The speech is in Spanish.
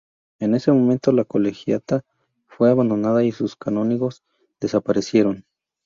En ese momento la Colegiata fue abandonada y los canónigos desaparecieron.